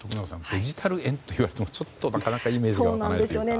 デジタル円といわれてもなかなかイメージが湧かないですね。